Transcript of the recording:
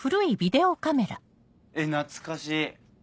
えっ懐かしい。